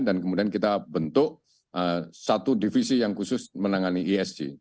dan kemudian kita bentuk satu divisi yang khusus menangani esg